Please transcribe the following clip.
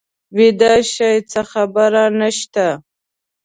ویده شئ څه خبره نه شته.